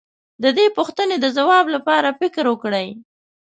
د دې پوښتنې د ځواب لپاره فکر وکړئ.